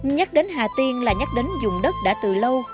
nhắc đến hà tiên là nhắc đến dùng đất đã từ lâu